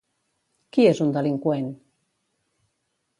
Qui és un delinqüent?